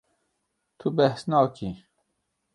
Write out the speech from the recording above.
Tu behs nakî.